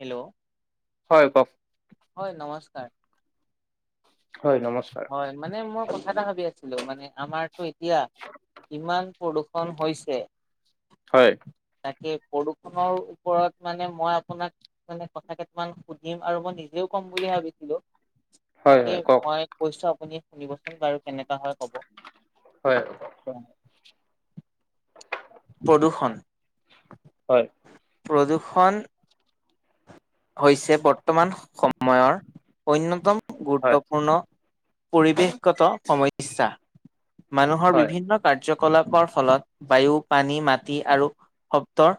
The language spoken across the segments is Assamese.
হেল্ল' হয় কওক। হয় নমস্কাৰ। হয় নমস্কাৰ। হয় মানে মই কথা এটা ভাবি আছিলো মানে আমাৰতো এতিয়া ইমান। প্ৰদূষণ হৈছে। হয়। তাকে প্ৰদূষনৰ ওপৰত মানে মই আপোনাক মানে কথা কেইটামান সুধিম আৰু মই নিজেও। কম বুলি ভাবিছিলো। হয় তাকে হয় কওক মই কৈছো আপুনি শুনিবচোন বাৰু কেনেকা হয় কব। হয়। প্ৰদূৰষণ। হয়। প্ৰদূষণ। হৈছে বৰ্তমান সময়ৰ অন্যতম হয় গুৰুত্বপূৰ্ণ। পৰিৱেশগত সমস্যা মানুহৰ হয় বিভিন্ন কাৰ্য। কাৰ্যকলাপৰ ফলত বায়ু পানী মাটি আৰু শব্দৰ।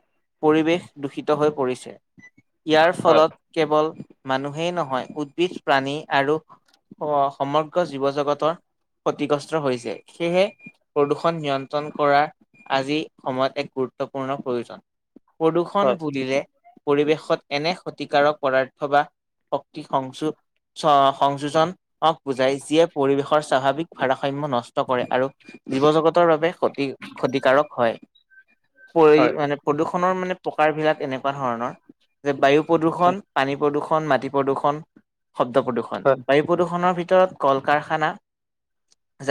পৰিৱেশ দূষিত হৈ পৰিছে ইয়াৰ হয় ফলত কেৱল। মানুহেই নহয় উদ্ভিদ প্ৰাণী আৰু সমগ্ৰ জীৱ জগতৰ। ক্ষতিগ্ৰস্ত হৈছে সেয়েহে প্ৰদূষণ নিয়ন্ত্ৰণ কৰা। আজি সময়ত এক গুৰুত্বপূৰ্ণ প্ৰয়োজন প্ৰদূষণ হয় বুলিলে পৰিৱেশত। এনে ক্ষতিকাৰক পদাৰ্থ বা। শক্তি সংযো সংযোজনক বুজায় যিয়ে পৰিৱেশৰ স্বাভাৱিক। ভাৰাসাম্য নষ্ট কৰে আৰু জীৱ জগতৰ বাবে ক্ষতি ক্ষতিকাৰক হয়। পৰি হয়। মানে প্ৰদূষণৰ মানে প্ৰকাৰ বিলাক এনেকুৱা ধৰণৰ যে বায়ু। প্ৰদূষণ পানী প্ৰদূষণ মাটি প্ৰদূৰষণ শব্দ প্ৰদূষণ হয় বায়ু প্ৰদূষণৰ ভিতৰত। ভৰত কল কাৰখানা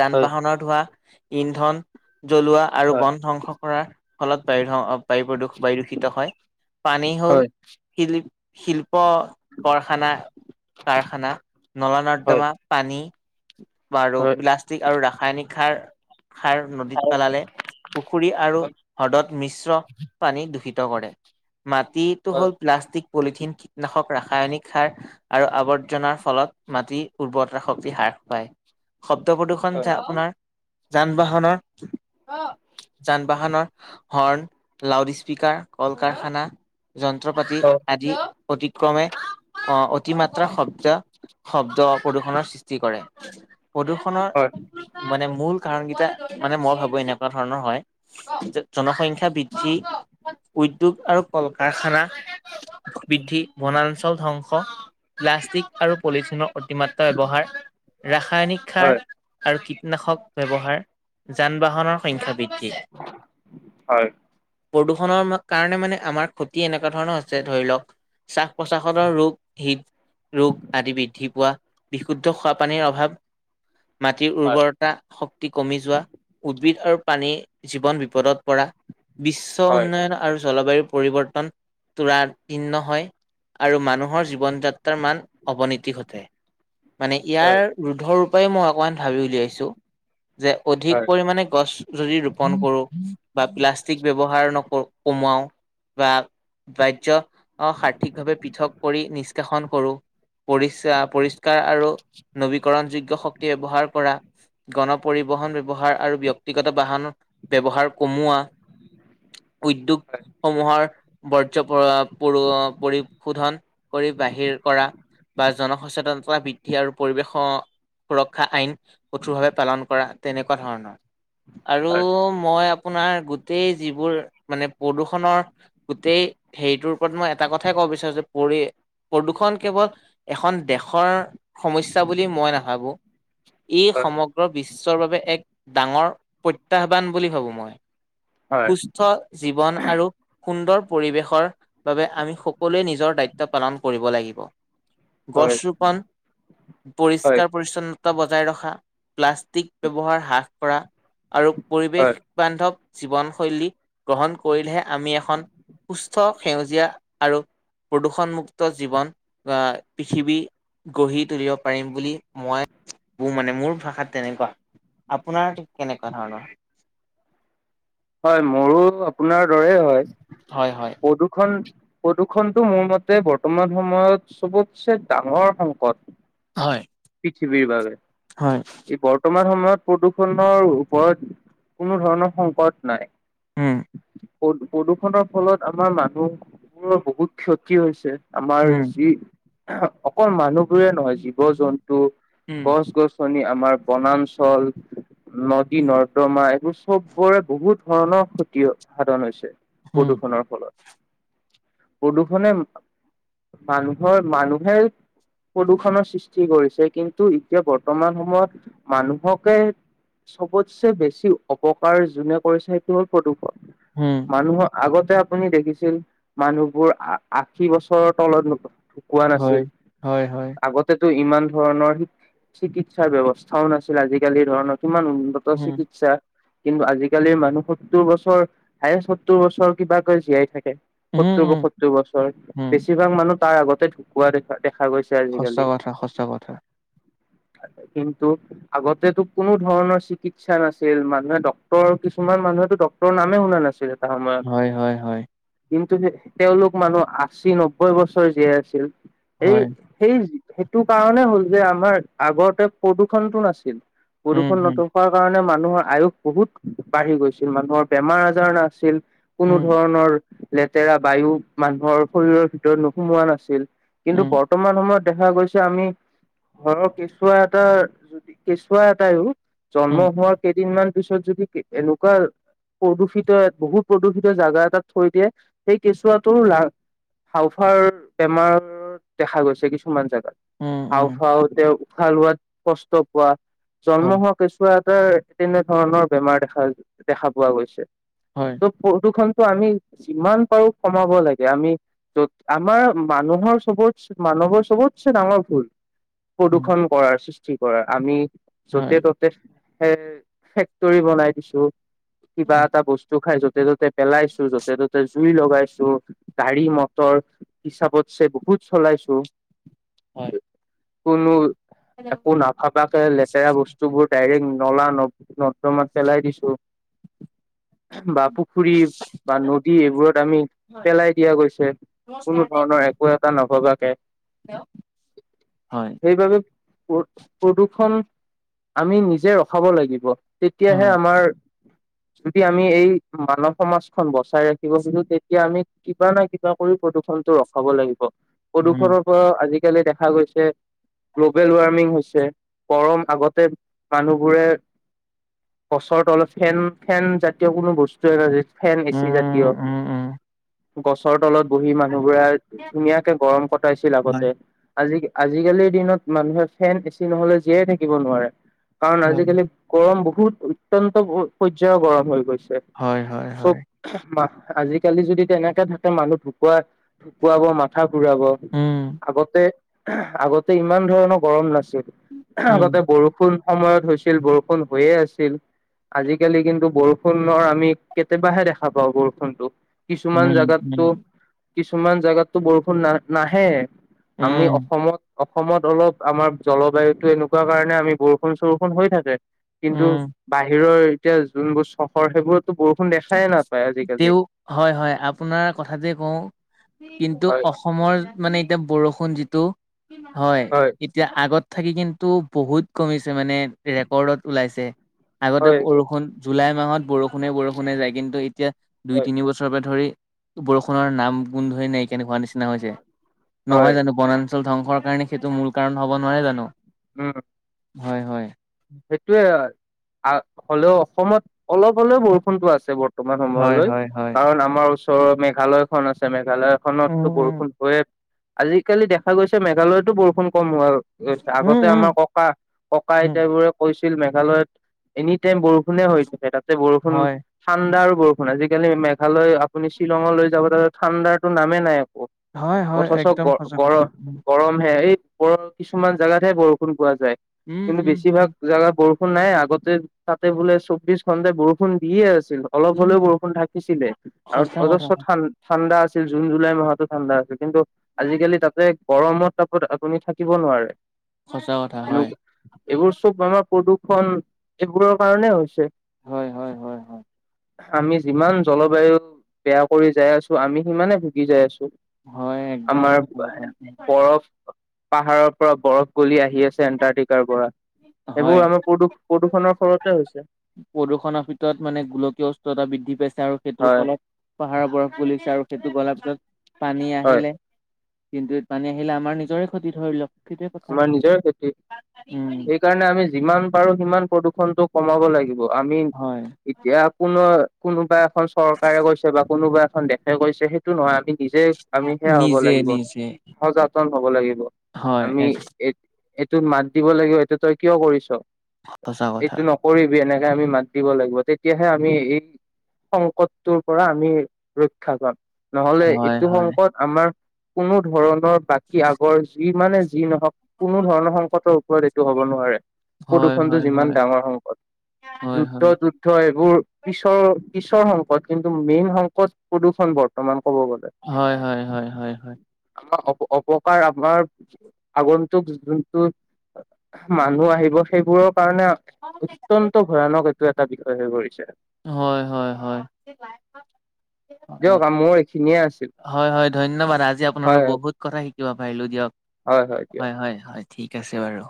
যান হয় বাহনৰ ধোৱা ইন্ধন। জ্বলোৱা আৰু হয় বন ধ্বংস কৰাৰ ফলত বায়ু বায়ু প্ৰদূষ বায়ুদূষিত হয় পানী হয় হ'ল। হয় শিল শিল্প। কাৰখানা কাৰখানা নল হয় নৰ্দমা পানী। বাৰু হয় প্লাষ্টিক আৰু ৰাসায়নিক সাৰ। সাৰ নদীত পেলালে পুখুৰী আৰু হ্ৰদত মিশ্ৰ পানী দূষিত। কৰে মাটিটো হয় হয় হয় হয় হ'ল প্লাষ্টিক। পলিথিন কীটনাশক ৰাসায়নিক সাৰ আৰু আৱৰ্জনাৰ ফলত মাটিৰ উৰ্বৰতা শক্তিৰ সাৰ। পায় শব্দ প্ৰদূ্ষন যে আপোনাৰ যান বাহনৰ। যান বাহনৰ হৰ্ণ লাউড স্পকাৰাৰ কল কাৰখানা। যন্ত্ৰ পাতি হয় আদি অতিক্ৰমে আহ অতিমাত্ৰা শব্দ। শব্দ প্ৰদূৰ্ষণৰ সৃষ্টি কৰে প্ৰদূৰ্ষনৰৰ হয় হয় হয় হয় হয় হয় মানে মূল। কাৰণ কেইটা মানে মই ভাবো এনেকুৱা ধৰণৰ হয় জনসংখ্যা বৃদ্ধি। উদ্যোগ আৰু কল। কাৰখানা বৃদ্ধি বনাঞ্চল ধ্বংস প্লাষ্টিক আৰু পলিথিনৰ। অতিমাত্ৰা ব্যৱহাৰ ৰাসায়নিক সাৰ আৰু কীটনাশক ব্যৱহাৰ যান বাহনৰ সংখ্যা বৃদ্ধি হয় প্ৰদূষণৰ কাৰণে মানে আমাৰ খুতি এনেকুৱা ধৰণৰ আছে ধৰি লওক শ্বাস প্ৰশ্বাসত ৰোগ হদ ৰোগ আদি বৃদ্ধি পোৱা বিশুদ্ধ খোৱাপানীৰ অভাৱ মাটিৰ উৰ্বৰতা শক্তি কমি যোৱা উদ্ভিদ আৰু পানী জীৱন বিপদত পৰা বিশ্ব উন্নয়ন আৰু জলবায়ু পৰিৱৰ্তন ন তৰাপিৰ্ণ হয় আৰু মানুহৰ জীৱন যাত্ৰাৰ মান অৱনীতি ঘটে মানে ইয়াৰ ৰোধৰ পায় মই অকমান ভাবি উলিয়াইছো যে অধিক পৰিমাণে গছ যদি ৰোপন কৰো বা প্লাষ্ট প্লাষ্টিক ব্যৱহাৰ কমোৱাওঁ বা বাহ্য সৰ্থিকভাৱে পৃথক কৰি নিষ্কাশন কৰো পৰিষ্ পৰিষ্কাৰ আৰু নবীকৰণ যোগ্য শক্তি ব্যৱহাৰ কৰা গণ পৰিবহন ব্যৱহাৰ আৰু ব্যক্তিগত বাহনৰ ব্যৱহাৰ কমওোৱা উদ্যোগ সমূহৰ বৰ্জ পৰিশোধন কৰি বাহিৰ কৰা বা জনসচেতনতা বৃদ্ধি আৰু পৰিৱেশৰ সুৰক্ষা আইন কঠোৰ ভাৱে পালন কৰা তেনেকুৱা ধৰণৰ আৰু মই আপোনাৰ গোটেই যিবোৰ মানে প্ৰদূ্ষণৰ গোটেই হেৰিটোৰ ওপৰত মই এটা কথাই ক'ব বিচাৰো যে পৰি প্ৰদূৰ্ষণ কেৱল এখন দেশৰ সমস্যা বুলি মই নাভাবো ই হয় সমগ্ৰ বিশ্বৰ বাবে এক ডাঙৰ প্ৰত্যাহ্বান বুলি ভাবো মই সুস্থ জীৱন আৰু সুন্দৰ পৰিৱেশৰ বাবে আমি সকলোৱে নিজৰ দায়িত্ব পালন কৰিব লাগিব গছ ৰোপন হয় পৰিষ্কাৰ পৰিচ্ছন্নতা বজাই ৰখা প্লাষ্টিক ব্যৱহাৰ হ্ৰাস কৰা আৰু পৰিৱেশ বান্ধৱ জীৱনশৈলী গ্ৰহণ কৰিলেহে আমি এখন সুস্থ সেউজীয়া আৰু প্ৰদূষণমুক্ত জীৱন আহ পৃথিৱী গঢ়ি তুলিব পাৰিম বুলি মই মোৰ মানে মোৰ ভাষাত তেনেকুৱা আপোনাৰ কেনেকুৱা ধৰণৰ হয় মোৰো আপোনাৰ দৰে হয় হয় হয় প্ৰদূ্ষন প্ৰদূৰ্ষণটো মোৰ মতে বৰ্তমান সময়ত চবতছে ডাঙৰ সংকট হয় পৃথিৱীৰ বাবে ই বৰ্তমান সময়ত প্ৰদূষণৰ ওপৰত কোনো ধৰণৰ সংকট নাই হম দ প্ৰদূষনৰৰ ফলত আমাৰ মানুহবোৰৰ বহুত ক্ষতি হৈছে আমাৰ উম যি অকল মানুহ োৰে নহয় জীৱ জন্তু উম গছ গছনি আমাৰ বনাঞ্চল নদী নৰ্দমা এইবোৰ চবোৰে বহুত ধৰণৰ ক্ষতি সাধন হৈছে উম প্ৰদূষণৰ ফলত প্ৰদূষণে মানুহৰ মানুহে প্ৰদূৰণৰ সৃষ্টি কৰিছে কিন্তু এতিয়া বৰ্তমান সময়ত মানুহকে চবতছে বেছি অপকাৰ যোনে পৰিচিত হল প্ৰদূষণ উম মানুহৰ আগত আপুনি দেখিছিল মানুহবোৰ আশী বছৰৰ তলত নতুন শুকোৱা হয় নাছিল হয় হয় আগতে টো ইমান ধৰণৰ চিকিৎসাৰ ব্যয়ৱস্থাও নাছিল আজিকালি ধৰণৰ কিমান উন্নত উম চিকিৎসা কিন্তু আজি কালিৰ মানুহ সত্তৰ বছৰ হায়েচ। সত্তৰ বছৰ কিবাকৈ জীয়াই থাকে। উম সত্তৰ উম পয়সত্তৰ বছৰ উম বেছিভাগ মানুহ তাৰ আগতে ঢুকুৱা দেখায়। দেখা গৈছে সঁচা আজিকালি। কথা সঁচা কথা কিন্তু আগতেো কোনো ধৰণৰ চিকিৎসা নাছিল মানুহে ডক্তৰ ডক্তৰ কিছমান মানুহেতটো ডক্তৰ নামে শুনা নাে হয় হয় হয়। কিন্তু তেওঁলোক মানুহ আশী নব্বৈ বছৰ জীয়াই আছিল। সেই হয়, সেই সেইটো কাৰণে হ'ল যে আমাৰ আগতে প্ৰদূষণতটো নাছিল। উম, প্ৰদূষণ উম, নথকাৰ কাৰণে মানুহৰ আয়ুস বহুত। বাঢ়ি গৈছিল। মানুহৰ বেমাৰ আজাৰ নাছিল। কোনো উম, ধৰণৰ লেতেৰা বায়ু মানুহৰ শৰীৰৰ ভিতৰত সুমোৱা নাছিল কিন্তু উম, বৰ্তমান সময়ত। দেখা গৈছে আমি ঘৰৰ কেঁচুৱা এটা যদি কেঁচুৱা এটাইও জন্ম উম, হোৱাৰ কেইদিনমান পিছত যদি এনেকুৱা প্ৰদূষিত বহুত প্ৰদূষিত জাগা এটাত থৈ দিয়ে। সেই কেঁচুৱাটোৰ লা হাওফাৰ বেমাৰ দেখা গৈছে। কিছুমান জাগা উম, উম, হাওফাওতে উশাহ লোৱাত কষ্ট পোৱা হয়, জন্ম হোৱা কেচুৱা। তাৰ তেনে ধৰণৰ বেমাৰ দেখা দেখা পোৱা গৈছে হয়, ত' প্ৰদূষণ টো আমি যিমান পাৰো কমাব লাগে আমি ত আমাৰ মানুহৰ চবত মানুহৰ চবতছে ডাঙৰ ভুল। উম, প্ৰদূ্ষণ কৰাৰ সৃষ্টি কৰাৰ আমি হয়, য'তে ত'তে ফেক্টৰী বনাই দিছো, কিবা উম, এটা বস্তু খাই য'তে ত'তে পেলাইছো, য'তে ত'তে জুই লগাইছো, গাড়ী মটৰ হিচাপতছে বহুত চলাইছো। হয়। কোনো একো নাভাবাকে লেতেৰা বস্তু বোৰ ডাইৰেক্ট নলা ন নৰ্দমাত পেলাই দিছো। বা পুখুৰী বা নদী এইবোৰত আমি পেলাই দিয়া গৈছে। কোনো ধৰণৰ একো এটা নভবাকে। হেল্ল'! সেইবাবে প্ৰদূৰ্ষণ আমি নিজে ৰখাব লাগিব। হয়, তেতিয়াহে আমাৰ [inaudible] যদি আমি এই মানৱ সমাজখন বচাই ৰাখিব খোজো তেতিয়া আমি, কিবা না কিবা কৰি প্ৰদূষণ টো ৰখাব লাগিব। উম, প্ৰদূষণৰ পৰা আজিকালি দেখা গৈছে। গ্ল'বেল ৱাৰ্মিং হৈ ছে। গৰম আগতে মানুহবোৰে গছৰতলত ফেন ফেন জাতীয় কোনো বস্তু এটা ফেন এচি উম, জাতীয় উম, উম, গছৰ তলত বহি মানুহ বোৰে ধুনীয়াকে গৰম কটাইছিল হয়, আগতে। আজি আজিকালিৰ দিনত মানুহে ফেন এচি নহ'লে জীয়াই থাকিব নোৱাৰে। কাৰণ হয়, আজিকালি গৰম বহুত অত্যন্ত পৰ্যায়ৰ গৰম হৈ গৈছে। হয়, হয়, হয়, [unintelligible] আজিকালি যদি তেনেকে থাকে মানুহ ঢুকুৱা ঢুকুৱাব মাথা ঘূৰাব, উম, আগতে আগতে ইমান ধৰণৰ গৰম না ছিল, উম, আগতে বৰষুণ সময়ত হৈছিল। বৰষুণ হৈয়ে আছিল। আজিকালি কিন্তু বৰষুণৰ আমি কেতিয়াবাহে দেখা পাওঁ বৰষুণটো। উম, কিছুমান জাগাতটো উম, কিছুমান জাগাতটো বৰষুণ ন নাহে, আমি উম, অসমত অসমত অলপ আমাৰ জলবায়ুটো এনেকুৱা কাৰণে আমি বৰষুণ চৰষুণ হৈ থাকে। কিন্তু উম। বাহিৰৰ এতিয়া যোনবোৰ চহৰ সেইবোৰতটো বৰষুণ দেখায়াই না তেওঁ হয় হয়। আপোনাৰ কথাতে কওঁ কিন্তু হয় অসমৰ মানে এতিয়া বৰষুণ যিটো হয় এতিয়া আগত থাকি কিন্তু বহুত কমিছে মানে ৰেকৰ্ডত ওলাইছে। আগতে হয়, বৰষুণ জুলাই মাহত বৰষুণে বৰষুণে যায় কিন্তু এ দুই হয়, তিনি বছৰৰ পৰা ধৰি বৰষুণৰ নাম গোন্ধই নাই তেনেকোৱা নিচি এনে হৈছে হয়, নহয় জানো? বনাঞ্চল ধ্বংসৰ কাৰণে সেইটো মূল কাৰণ হব নোৱাৰে জানো? উম। হয় হয়। সেইটোয়ে হলেও অসমত অলপ হ'লেও বৰষুণতো আছে বৰ্ত মান হয় সময়লৈ হয় হয় কাৰণ আমাৰ ওচৰৰ মেঘালয় খন আছে মে ঘালয় খনতটো উম উম বৰষুণ হয়ে। আজিকালি দেখা গৈছে মেঘালয়তো বৰষুণ কম হ'ল। উম আগতে উম আমাৰ ককা ককা আই উম তা বোৰে কৈছিল মেঘালয়ত এনিটাইম বৰষুণ হৈ থাকে তাতে বৰষুণ হয় ঠাণ্ডাৰ বৰষুণ আজিকালি মেঘালয় আপুনি শ্বিলঙলৈ যাব তাতে ঠাণ্ডাৰ টো নামেই নাই। হয় হয় অথচ একদম সঁচা কথা গৰম উম। গৰমহে এই ওপৰৰ কিছুমান জাগাত হে বৰষুণ পোৱা যায়। উম উম। বেছি ভাগ উম, জাগাত বৰষুণ নাই আগতে তাতে বোলে চৌবিশ ঘণ্টাই বৰষুণ দিয়ে ছে অলপ উম, হলেও বৰষুণ থাকিছিলে আৰু সঁচা কথা, অজস্ৰ ঠাণ্ডা আছি ল জুন জুলাই মাহতো ঠাণ্ডা আছিল কিন্তু আজিকালি তাতে গৰমত তাকো আপুনি থাকিব নোৱাৰে সঁচা কথা এনে হয় এইবোৰ চব আমাৰ প্ৰদূষণ এইবোৰৰ কাৰণে হৈছে হয়, হয়, হয়, হয়, আমি যিমান জলবায়ু বেয়া কৰি যাই আছো আমি সিমানে ভুগি যাই আছো হয়, একদম আমাৰ সঁচা কথা। বৰফ পাহাৰৰ পৰা বৰফ গলি আহি আছে এন্টাৰ্টিকাৰ পৰা সেবোৰ হয়, আমাৰ প্ৰদূষ প্ৰদূষণৰ ফলত প্ৰদূষণৰ ভিতৰত মানে গোলকীয় উষ্ণতা বৃদ্ধি পাইছে আৰু সেইটোৰ হয় ফলত পাহাৰৰ বৰফ গলিছে আৰু সেইটো গলা পিছত পানী হয় আহিলে কিন্তু পানী আহিলে আমাৰ নিজৰে ক্ষতি ধৰি লওঁক আমাৰ নিজৰ ক্ষতি উম, সেইকাৰণে আমি যিমান পাৰো সিমান প্ৰদূষণটো কমাব লাগিব আমি হয়, এতিয়া কোনো কোনোবা এখন চৰকাৰে কৈছে বা কোনোবা এ এখন দেশে কৈছে সেইটো নহয় আ নিজে আমি সেয়া হ'ব নিজে লাগিব নিজে সযাতন হব লাগিব হয়, আমি এক এইটোত মাত দিব লাগিব এইটো তই কিয় কৰিছ সঁচা কথা। এইটো নকৰি বুলি এনেকে আমি মাত দিব লাগিব তেতিয়াহে আমি এই সংকটটোৰ পৰা আমি ৰক্ষা পাম নহলে হয়, এইটো হয়, সংকট আমাৰ কোনো ধৰণৰ বাকী আগৰ যি মানে যি নহওক কোনো ধৰণৰ সংকটৰ ওপৰত এইটো হব নোৱাৰে হয়, প্ৰদূষণটো হয়, যিমান হয়, ডাঙৰ সংকট হয়, হয়, যুদ্ধ হয়, যুদ্ধ এইবোৰ পিছৰ পিছৰ সংকট কিন্তু মেইন সংকট প্ৰদূষণ বৰ্তমান ক'ব গ'লে হয় হয় হয় হয় আমাৰ অপকাৰ আমাৰ আগন্তুক যোনটো মানুহ আহিব সেইবোৰক কাৰণে অত্যন্ত ভয়ানক এইটো এটা বিষয় হৈ পৰিছে হয় হয় হয় হয় দিয়ক মোৰ এইখিনি হয় হয় ধন্যবাদ আজি আপোনাৰ পৰা হয় বহুত কথা শিকিব পাৰিলোঁ দিয়ক হয় দিয়ক হয় হয় হয় ঠিক আছে বাৰু